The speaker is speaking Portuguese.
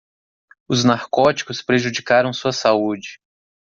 Os narcóticos prejudicaram sua saúde